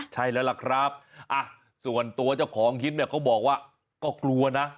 ใช่แล้วล่ะครับส่วนตัวเจ้าของคลิปเนี่ยเขาบอกว่าก็กลัวนะ